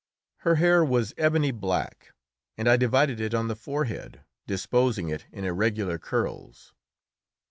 Her hair was ebony black, and I divided it on the forehead, disposing it in irregular curls.